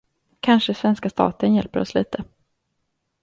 Kanske svenska staten hjälper oss lite.